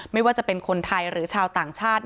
ไม่ว่าจะเป็นคนไทยหรือชาวต่างชาติ